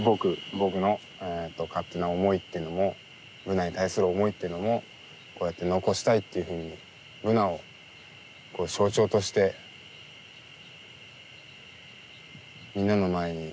僕の勝手な思いってのもブナに対する思いっていうのもこうやって残したいっていうふうにブナを象徴としてみんなの前に。